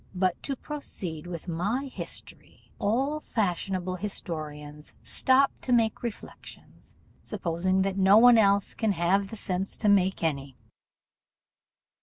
But to proceed with my history: all fashionable historians stop to make reflections, supposing that no one else can have the sense to make any.